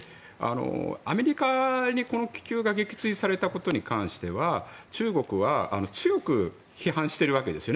アメリカに、この気球が撃墜されたことに関しては中国は強く批判しているわけですよね。